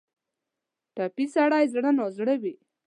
ټپي سړی زړه نا زړه وي.